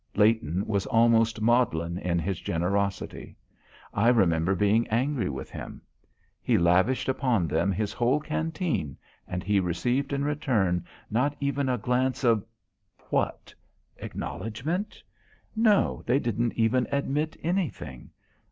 Leighton was almost maudlin in his generosity. I remember being angry with him. He lavished upon them his whole canteen and he received in return not even a glance of what? Acknowledgment? No, they didn't even admit anything.